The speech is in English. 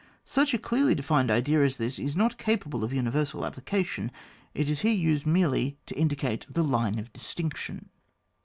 Such a clearly defined idea as this is not capable of universal applica tion ; it is here used merely to indicate the line of distinction.